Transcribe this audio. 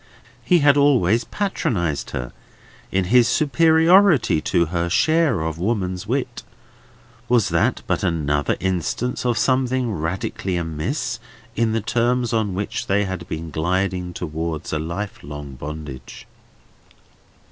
He had always patronised her, in his superiority to her share of woman's wit. Was that but another instance of something radically amiss in the terms on which they had been gliding towards a life long bondage?